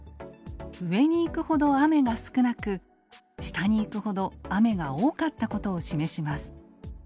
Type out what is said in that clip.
上に行くほど雨が少なく下に行くほど雨が多かったことを示します。